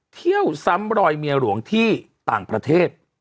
เที่ยวซ้ำรอยเมียหลวงที่ต่างประเทศ